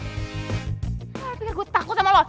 gak ada yang gue takut sama lo